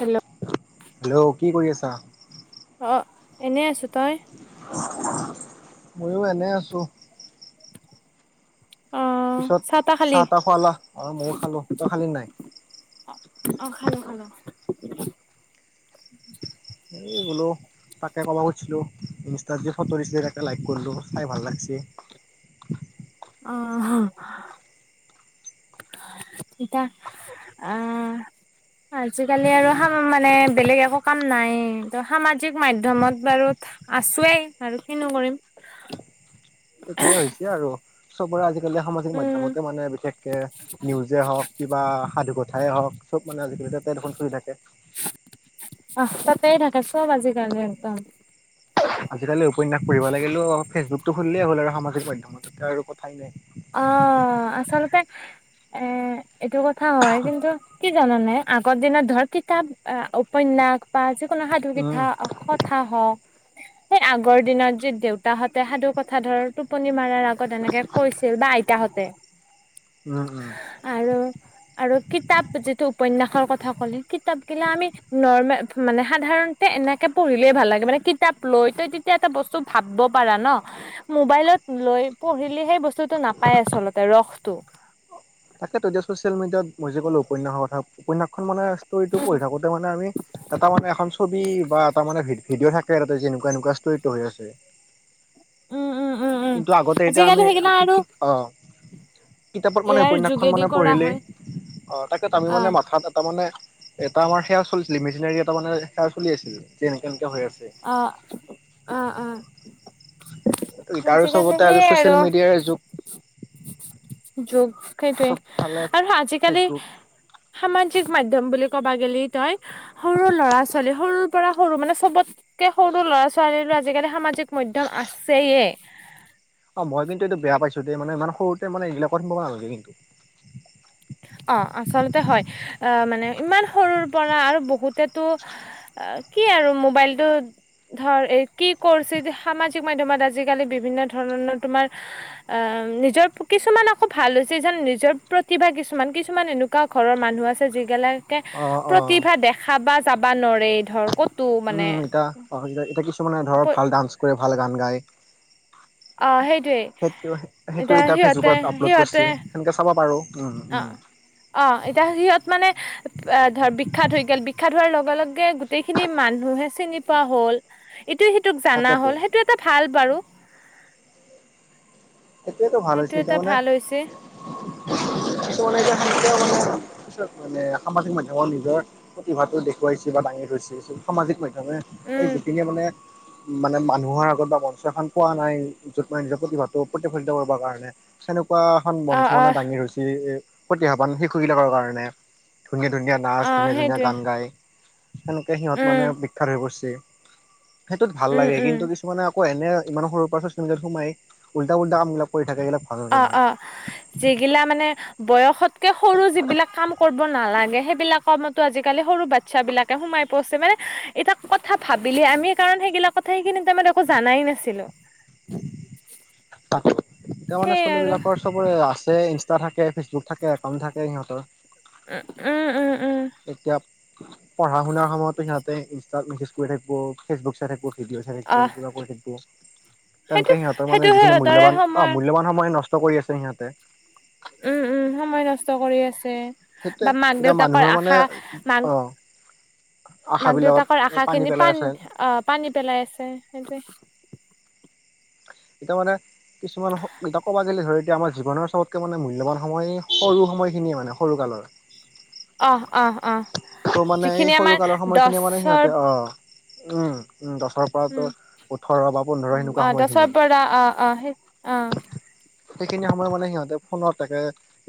Hello! Hello! কি কৰি আছা? অ', এনেই আছো, তই? ময়ো এনেই আছো। অ পিছত চাহ তাহ খুৱালা, আৰু ময়ো খালো। তই খালি নাই? অ'। অ', খালো খালো। এইবোলো তাকে ক'ব খুজিছিলো, ইনষ্টাত যে ফটো দিছিলে তাকে লাইক কৰিলো, চাই ভাল লাগছি। অ', ইতা অ'। আজিকালি আৰু সাম মানে বেলেগ একো কাম নাই, ত সামাজিক মাধ্যমত বাৰু আছোৱেই আৰু কিনো কৰিম। সেইটোয়ে হৈছে আৰু, চবৰে আজিকালি সামাজিক মাধ্যমতে মানে বিশেষকে নিউজে হওঁক, কিবা সাধু কথাই হওঁক, চব মানে আজিকালি তাতে দেখোন চলি থাকে। পাচঁ তাতেই থাকে, চব আজিকালি একদম। আজিকালি উপন্যাস পঢ়িব লাগিলেও ফেচবুকটো খুলিলেই হ'ল আৰু সামাজিক মাধ্যমত, আৰু কথাই নাই। অ', আচলতে এ, এইটো কথা হয় কিন্তু কি জানানে, আগৰ দিনত ধৰ কিতাপ, উপন্যাস, বা যিকোনো উম সাধুকিথা অখত থা হক সেই আগৰ দিনত যে, দেউতাহঁতে সাধুকথা ধৰ টোপনি মাৰাৰ আগত এনেকে কৈছ দেউবা, আইতাহঁতে উ, উ। আৰু আৰু কিতাপ যিটো উপন্যাসৰ কথা ক'লে, কিতাপ গিলা আমি নৰ্মে মানে সাধাৰণ এ, এনেকে পঢ়িলেই ভাল লাগে মানে কিতাপ লৈ ত' তেতিয়া এটা বস্তু ভাবব পাৰা ন! মোবাইলত লৈ পঢ়িলে সেই বস্তুটো নাপায় আচলতে ৰসটো। তাকেতো যে ছচিয়েল মিডিয়াত মই যে ক'লো উপন্যাসৰ কথা, উপন্যাসখন মানে ষ্টৰিটো পঢ়ি থাকোতে মানে আমি, এটা মানে এখন ছবি বা এটা মানে ভি-ভিডিঅ' থাকে [unintelligible] এনেকুৱা ষ্টৰী ত' হৈ আছে। উম উম উম উম কিন্তু আগতে এতিয়া আজিকালি আমি সেইগিলা কিত্ আৰু কিত্, অ'। কিতাপত মানে এয়াৰ উপন্যাসখন যোগেদি মানে কৰা পঢ়িলেই, হয় অ', তাকে আমি অ মানে মাথাত এটা মানে এটা আমাৰ সেয়া চল মেচিনেৰী এটা মানে সেয়া চলি আছিল, যে এনকে এনকে হৈ আছে। অ', অ', অ', আজিকালি সেই আৰু। সেই যুগ যগ সেইটোৱে, চব ফালে আৰু আজিকালি ফেচবুক সামাজিক মাধ্যম বুলি ক'বা গে'লি তই সৰু ল'ৰা-ছোৱালী, সৰুৰ পৰা সৰু মানে চবতকে সৰু ল'ৰা-ছোৱালীৰো আজিকালি সামাজিক মধ্যম আছেয়ে। অ', মই কিন্তু এইটো বেয়া পাইছো যে, ইমান সৰুতে মানে এইবিলাকত সমাব নালগে। অ', আচলতে হয়, মানে ইমান সৰুৰ পৰা আৰু বহুতেতো অ', কি আৰু মোবাইলটো ধৰ, এ, কি কৰছে যে সামাজিক মাধ্যমত আজিকালি বিভিন্ন ধৰণৰ তোমাৰ এ, নিজৰ কিছুমান আকৌ ভাল হৈছে যেন নিজৰ প্ৰতিভা কিছ মান কিছুমান এনেকুৱা ঘৰৰ মানুহ আছে যিগিলাকে অ' অ'। প্ৰতিভা দেখ খাবা, যাবা নৰে ধৰ ক'ত উম, এতিয়া অসুবিধা, এতিয়া কিছুমানে ধৰ প ভাল ডান্স কৰে, ভাল গান গায়। অ', সেইটোৱে সেইটো সেইটো এতিয়া সিহঁতে ফেচবুকত আপলোড সিহঁতে কৰছে। সেনকে চাবা পাৰো। উ, উ। অ', অ', এতিয়া সিহঁত মানে ধৰ বিখ্যাত হৈ গ'ল, বিখ্যাত হোৱাৰ লগে লগে গোটেইখিনি মানুহে চিনি পোৱা হ'ল। ইটোয়ে সিটোক জানা তাকেতো হ'ল সেইটো এটা ভাল বাৰু। সেইটোৱেতো সেইটো ভালহৈছে [unintelligible] এতিয়া এটা মানে ভাল হৈছে পিছত মানে সামাজিক মাধ্যমত নিজৰ প্ৰতিভাটো দেখুৱাইছে বা দাঙি ধৰিছে, সামাজিক মাধ্যমে এই উম। গতিকে মানে মানে মানুহৰ আগত বা মঞ্চ এখন পোৱা নাই য'ত মান নিজৰ প্ৰতিভাটো প্ৰতিফলিত কৰিব কাৰণে তেনেকুৱা এখন অ', মঞ্চ মানে অ', দাঙি ধৰছি এ। প্ৰতিভাবান শিশুবিলাকৰ কাৰণে ধুনীয়া ধুনীয়া নাচ অ', ধুনীয়া ধুনীয়া সেইটোৱে গান গায় সেনেকে সিহঁত উম, মানে বিখ্যাত হৈ পৰিছে, সেইটোত ভাল উম, লাগে উম। কিন্তু কিছ মানে আকৌ এনে ইমান সৰু প পৰা চত সোমাই, উল্টা পুল্টা কামবিলাক কৰি থাকে ইগিলাক অ', অ', যিগিলা মানে বয়সত সৰু যিবিলাক কাম কৰিব নালাগে সেইবিলাকৰ আজিকালি সৰু বাচ্ছা বিলাকে সোমাই পোৰছে, মানে এটা কথা ভাবিলে আমি কাৰণ সেইবিলাক কথা সেই কিনি তাৰমানে একো জানাই নাছিলো। [unintelligible] এতিয়া মানে সেইয়াই ছলী আৰু বিলাকৰ চবৰে আছে ইনষ্টা থাকে, ফেচবুক থাকে একাউণ্ট থাকে সিহঁতৰ। উ, উম, উম, উম। এতিয়া পঢ়া শুনাৰ সময়তো সিহতে ইনষ্টাত মেছেজ কৰি থাকিব, ফেচবুক চাই থাকব। ভিডঅ' চাই থাকিব অ'। কিবা কৰি থাকিব সেইটো তেনেকে সিহঁতৰ সেইটো মানে যিখিনি সিহঁতৰে মূল্যবান অ', সময় মূল্যবান সময়ে নষ্ট কৰি আছে সিহঁতে। উম, উম, সময় নষ্ট কৰি আছে, সেইটোৱে বা মাক এতিয়া দেউতাকৰ মানুহৰ মানে আশা মাক অ' মাক আশাবিলাকত দেউতাকৰ আশা পানী খিনি পেলাই পান আছে অ', পানী পেলাই আছে সেইটোৱে। এতিয়া মানে কিছুমান এতিটা [unintelligible] কব যে ধৰি এতিয়া আমাৰ জীৱনৰ চবতকে মানে মূল্যৱান সময় সৰু সময়খিনিয়ে মানে সৰু কালৰ। অ', অ', অ'। টো মানে এই যিখিনি সৰু আমাৰ কালৰ সময়খিনিয়ে মানে দছৰ সিহঁতে অ', উম', উ, গছৰ উম ওঠৰ বা পোন্ধৰ সেনেকুৱা অ দছৰ সময়খিনি। পৰা অ অ সেই অ সেইখিনি সময়ত মানে সিহঁতে ফোনত থাকে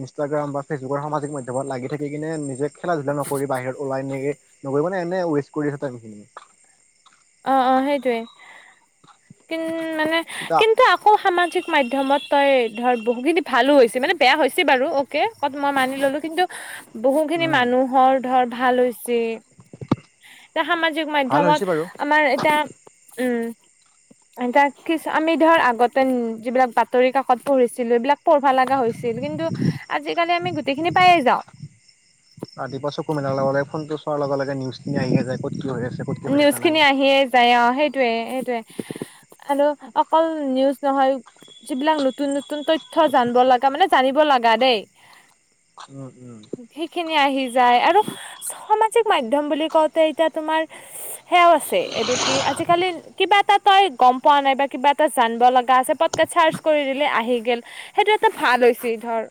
ইনষ্টাগ্ৰাম বা ফেচবুকৰ সামাজিক মাধ্যমত লাগি থাকি কিনে নিজে খেলা ধূলা নক কৰি বাহিৰত ওলাই ননেকে নগৈ মানে এনে ৱেষ্ট কৰি আ খিনি অ', অ', সেইটোৱে কিম মানে সিতা [unintelligible] কিন্তু আকৌ সামাজিক মাধ্যমত তই ধৰ বহুখিনি ভালো হৈছে মানে বেয়া হৈছে বাৰু অ কত মই মানি ল'লো কিন্তু বহুখিনি উম মানুহৰ ধৰ ভাল হৈছে। এটা সামাজিক ভাল মাধ্যমত হৈছে বাৰু আমাৰ এটা উম এ কিচ আমি ধৰ আগতে যিবিলাক বাতৰি কাকত পঢ়িছিলো এইবিলাক পঢ়বা লগা হৈছিল কিন্তু আজিকালি আমি গোটেইখিনি পায়ে যাওঁ। ৰাতিপুৱা চকু মেলাৰ লগে ফোনটো চোৱাৰ লগে লগে নিউজখিনি আহিয়ে যাই ক'ত কি হৈ আছে। ক'ত কি হৈ থকা নাই নিউজখিনি আহিয়ে যাই অ', সেইটয়ে সেইটোয়ে আৰু অকল নিউজ নহয় যিবিলাক নতুন নতুন তথ্য জানিব লগা মানে জানিব লগা দেই উম, উম। সেইখিনি আহি যায় আৰু সামাজিক মাধ্যম বুলি কওঁতে এতিয়া তোমাৰ সেয়াও আছে এইটো কি আজিকালি কিবা এটা তই গম পোৱা নে বা কিবা এটা জানব লগা আছে পটক চাৰ্চ কৰি দিলে আহি গেল সেইটো এটা ভাল হৈছে ধৰ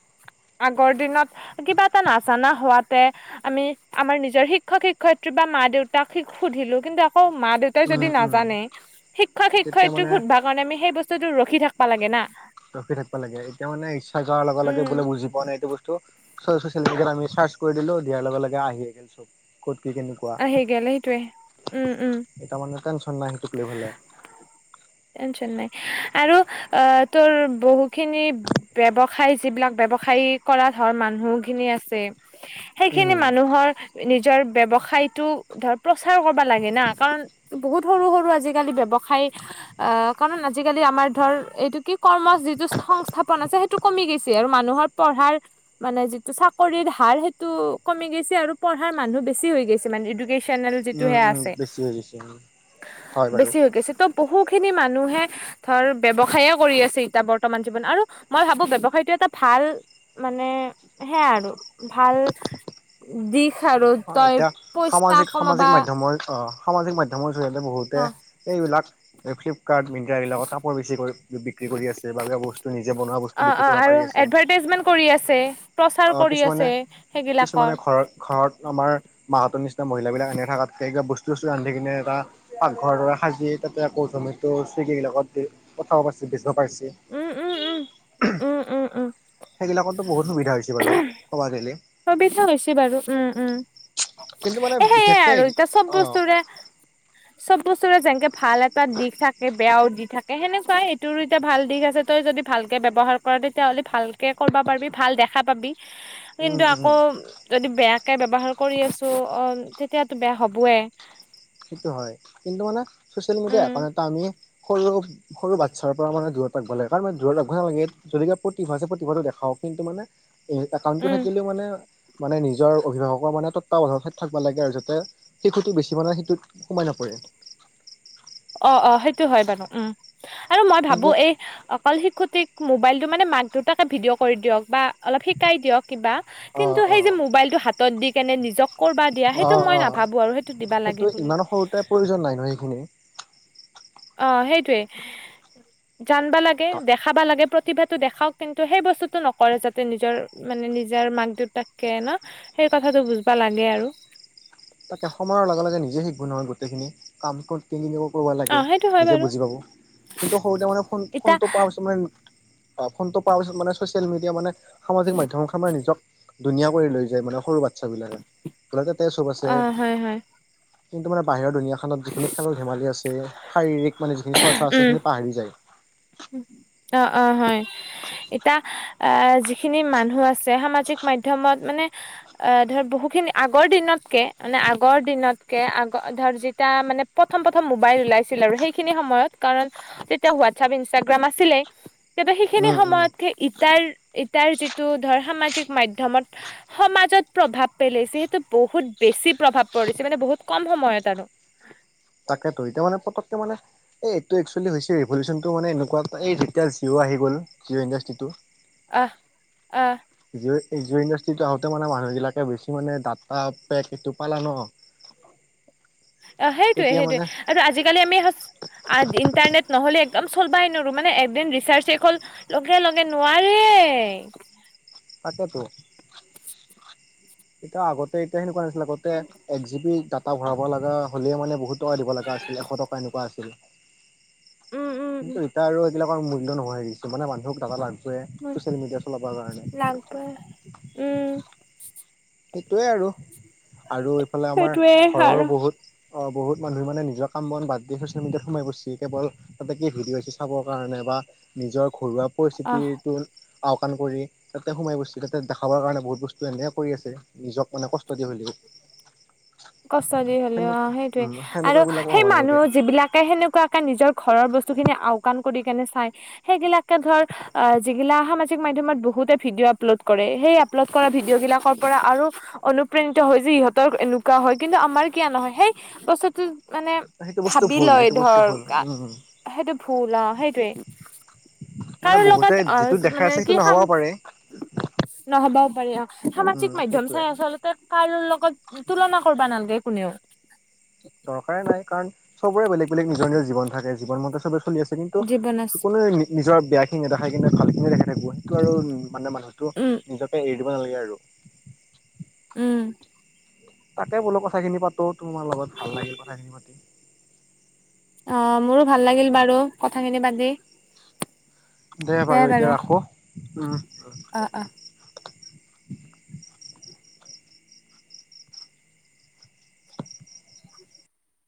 আগৰ দিনত কিবা এটা নাজানা হোৱাতে আমি আমাৰ নিজৰ শিক্ষক শিক্ষয়িত্ৰী বা মা দেউতাক সুধিলো কিন্তু আকৌ মা দেউতাই যদি উম উম নাজানে শিক্ষক তেতিয়া শিক্ষয়িত্ৰীক মানে সুধবা কাৰণে আমি সেই বস্তু বস্তটো ৰখি থাকিব লাগে না। ৰখি থাকবা লাগে এতিয়া মানে ইচ্ছা যোৱাৰ লগে উম বোলে বুজি পোৱা নাই এইটো বস্তু তিয় মিডিয়াত আমি চাৰ্চ কৰি দিলো দিয়াৰ লগে লগে আহি গ'ল চব ক'ত কি কে অ' হেগেল সেইটোৱে, উম, উম। এতিয়া মানে টেনছন নাই সেইটোক লৈ ফালে। টেনচন নাই। আৰু অ' তোৰ বহুখিনি ব্যৱ সাই যিবিলাক ব্যৱসায় কৰা ধৰ মানুহখিনি আছে সেইখিনি উম মানুহৰ নিজৰ ব্যৱসায়টো ধৰ প্ৰচাৰ কৰিবা লাগে না, কাৰণ বহুত সৰু সৰু আজিকালি ব্যৱসায় আ, কাৰণ আজিকালি আমাৰ ধৰ এইটো কি কৰ্ম যিটো সংস্থাপন আছে সেইটো কমি গৈছে আৰু মানুহৰ পঢ়াৰ মানে যিটো চাকৰিৰ হাৰ সেইটো কমি গছে আৰু পঢ়াৰ মানুহ বেছি হৈ গৈছে, মানে ইডুকেচন চেনেল যিটোহে আছে। বুজিছোঁ অ'। বেছি হৈ গৈছে ত' বহুখিনি মানুহে ধৰ ব্যৱসায়ে কৰি আছে এতিয়া বৰ্তমান জীৱন আৰু মই ভাবো ব্যৱসায়টো এটা ভাল মানে হেয়া আৰু। ভাল দিশ আৰু তই পইচা কমাবা মই সামাজিক মাধ্যমৰ জৰিয়তে বহুতে অ এইবিলাক ফ্লিপকাৰ্ট মিন ক বিলাকত কাপৰ বেছিকৈ বিক্ৰী কৰি আছে ভালকৈ কিবা বস্তু নিজে বনোৱা বস্তু অ বিক্ৰী অ' কৰিব আৰু পাৰি আছে এডভাৰটাইজমেন্ট কৰি আছে, প্ৰচাৰ অ কৰি কিছুমানে আছে কিছুমানে সেইবিলাকৰ। ঘৰত ঘৰত আমাৰ মাহঁতৰ নিচিনা মহিলাবিলাক এনে থাকাতকে কিবা বস্তু চস্তু ৰান্ধি কিনে এটা পাকঘৰ দৰে সাজি তাতে আকৌ জমিটো চিগিগিলাকত দি পঠাব প বেচিব পাইছে। উম উম উম উম, উম, উম। সেইবিলাকততো বহুত সুবিধা হৈছে বাৰু কবা গেলে। সুবিধা হৈছে বাৰু উম, উম। কিন্তু মানে এ, সেয়াই বিশেষকে আৰু এতিয়া চব অ বস্তুৰে চব বস্তুৰে যেনেকে ভাল এটা দিশ থাকে বেয়াও দি থাকে সেনেকুৱাই, এইটোৰো এতিয়া ভাল দিশ আছে, তই যদি ভালকে ব্যৱহাৰ কৰে তেতিয়াহ'লে ভাল কৰবা পাৰবি, ভাল দেখা পাবি উম কিন্তু আ উম যদি বেয়াকে ব্যাবহাৰ কৰি আছ অ' তেতিয়াতো বেয়া হবয়ে। সেইটো হয়। কিন্তু মানে চচিয়েল মিডিয়া উম একাউণ্ট এটা আমি কৰিও সৰু বাচ্ছাৰপৰা মানে দূৰত থাকবা লাগে কাৰণ মানে দূৰত ধৰিবপৰা নাই যদি কিবা প্ৰতিভা আছে প্ৰতিভাটো দেখাব লাগে কিন্তু মানে এ, একাউণ্টো উম থাকিলে মানে মানে নিজৰ অভিভাৱকৰ মানে তত্বাৱধানত তে থাকবা লাগে আৰু যাতে শিশুটো বেছি মানে তীত সোমাই নপৰে। অ', অ' সেইটো হয় বাৰু উম। আৰু মই ভাবো গতিকে এই অকল শিশুটিক মোবাইলটো মানে মাক দেউতাকে ভিডিঅ' কৰি দিয়ক বা অলপ শিকাই দিয়ক কিবা কিন্তু অ', সেই যে অ'। মোবাইলটো হাতত দি কেনে নিজক কৰবা দিয়া সেইটো অ', মই অ', নাভাবোঁ আৰু সেইটো দিবা লাগে বুলি। ইমান সৰুতে প্ৰয়োজন নাই নহয় সেইখিনি। অ' সেইটোৱে। জানবা লাগে, দেখাবা লাগে প্ৰতিভাটো দেখাওক কিন্তু সেই বস্তুটো নকৰে যাতে নিজৰ মানে নিজৰ মাক দেউতাকে না সেই কথাটো বুজবা লাগে আৰু। তাকে সময়ৰ লগে লগে নিজে শিকবো নহয় গোটেইখিনি কামটো। ক কিনো কৰিব অ লাগে, সেইটো তেতিয়া হয় নিজে বাৰু বুজি পাব। কিন্তু সৰুতে মানে ফোন ইতা ফোনটো পোৱা পাছত মানে অ' ফোনটো পাৱা পিছত মানে চচিয়েল মিডিয়া মানে সামাজিক মাধ্যমৰ আমাৰ নিজক ধুনীয়া কৰি লৈ যায় মানে সৰু বাচ্ছাবিলাকক। [unintelligible] অ' হয় হয়। কিন্তু মানে বাহিৰৰ দুনীয়াখনত যিখিনি খেল ধেমালি আছে, শাৰিৰীক মানে যিখিনি চৰ্চা আছে উম সেইখিনি পাহৰি যায়। অ', অ' হয়। এতিয়া আহ যিখিনি মানুহ আছে সামাজিক মাধ্যমত মানে অ ধৰ বহু খিনি আগৰ দিনতকে মানে আগৰ দিনতকে আগ ধৰ যেতিয়া মানে প্ৰথম প্ৰথম মোবাইল ওলাইছিল আৰু সেইখিনি সময়ত কাৰণ তেতিয়া হোৱাটছআপ ইনষ্টাগ্ৰাম আ আছিলে তেতিয়া সেইখিনি উম, উম, সময়ত সেই এটাৰ ইটাৰ যিটো ধৰ সামাজিক মাধ্যমত সমাজত প্ৰভাৱ পেলাইছে হেতু বহুত বেছি প্ৰভাৱ পৰিছে মানে বহুত কম সময়ত আৰু তাকেতো এতিয়া মানে পতক কে মানে এইটো এক্চুৱেলি হৈছে ৰিভলিউচনতো মানে এনেকুৱা এটা এই যেতিয়া জিঅ' আহি গ'ল জিঅ ইণ্ডাষ্ট্ৰিটো আহহ আহ জিঅ' জিঅ' ইণ্ডাষ্ট্ৰিটো আহোতে মানে মানুহ বিলাকে বেছি মানে ডাটা পেক এইটো পালা ন শুনা নাই অ সেইটোয়ে সেইটোয়ে আৰু আজিকালি আমি সচ আৰু ইণ্টাৰনেট নহ'লে একদম চলবাই নোৱাৰোঁ মানে একদিন ৰিচাৰ্চেই হ'ল লগে লগে নোৱাৰেই তাকেেতো এতি আগতে এতিয়া সেনেকুৱা নাছিলে আগতে এক জি বি ডাটা ভৰাব লগা হ'লেই মানে বহুত টকা দিব লগা আছিল এশ টকা এনেকুৱা আছিল উম উম কিন্তু এতিয়া আৰু এইবিলাকৰ মূল্য নহয় আহিছো মানে মানুহক াতালা উ লাগিব উম সেইটোৱে আৰু আৰু এইফালে আমাৰ সেইটোৱে ঘৰৰো আৰু বহুত অ বহুত মানুহ মানে নিজৰ কাম বন বাদ দিিয় চচিয়েল মিডিয়াত সোমাই গৈছে কেল তাতে কি ভিডিঅ'ি চাবৰ কাৰণে বা নিজৰ ঘৰুৱা আহ পৰিস্থিতিটো আওকাণ কৰি তাতে সোমাই গৈছে তাতে দেখাবৰ কাৰণে বহুত বস্তু এনেে কৰি আছে নিজক মানে কষ্ট দিয়ে হলে কষ্ট দি হলেও অ সেইটোয়ে উম আৰু সেনেকুৱাবিলাকো সেই হ'ব মানুহ নালাগে যিবিলাকে সেনেকুৱা নিজৰ ঘৰৰ বস্তু খিনি আওকাণ কৰি কেনে চাই সেইগিলাকে ধৰ আহ যিগিলা মাধ্যমত বহুতে ভিডিঅ' আপলোড কৰে সেই আপলোড কৰা ভিডিঅ' বিিলাকৰ পৰা আৰু অনুপ্ৰেণিত হয় যে ইহঁতৰ এনেকুৱা হয় কিন্তু আমাৰ কিয় নহয় সেই বছৰটো মানে সেইটো বস্তু ভাবি ভুল লয় সেইটো বস্তু ধৰ ভুল উম সেইটো ভুল অ সেইটোৱে মানে কাৰো বহুতে লগত যিটো আহ দেখাই মানে আছে সেইটো কি খাম নহ'বও পাৰে নহবও পাৰি অ উম সামাজিক মাধ্য়ম সেইটোয়ে চাই আচলতে কাৰো লগত তুলনা কৰিবা নালাগে কোনেও দৰকাৰে নাই কাৰণ চবৰে বেলেগ বেলে নিৰ নিৰ জীৱন থাকে জীৱন মতে চবে চলি আছে কিন্তু জীৱন আছ কোোৱে নিজৰ বেয়াখিনিেদেখাই কিনে ভালখিনিে দেখা থাকিব সেইটো আৰু মানে মানুহ টো উম নিজকে এৰি দিব নালাগে আৰু উম তাকে বোলো কথাখিনি পাতো তোমাৰ লগত ভাল লাগিল কথাখিনি পাতি অ মোৰো ভাল লাগিল বাৰু কথাখিনি পাতি দে বাৰু এতিয়া ৰাখো উম অঁ অঁ